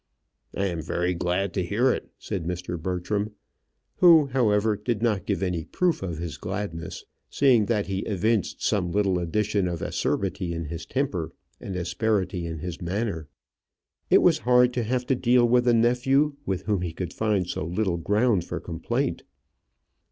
"I am very glad to hear it," said Mr. Bertram, who, however, did not give any proof of his gladness, seeing that he evinced some little addition of acerbity in his temper and asperity in his manner. It was hard to have to deal with a nephew with whom he could find so little ground for complaint.